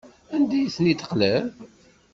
Anda ay ten-id-teqliḍ?